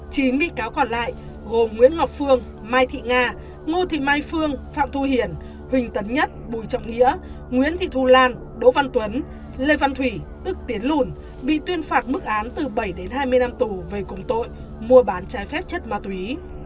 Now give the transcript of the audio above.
chín bị cáo còn lại gồm nguyễn ngọc phương mai thị nga ngô thị mai phương phạm thu hiền huỳnh tấn nhất bùi trọng nghĩa nguyễn thị thu lan đỗ văn tuấn lê văn thủy tức tiến lùn bị tuyên phạt mức án từ bảy đến hai mươi năm tù về cùng tội mua bán trái phép chất ma túy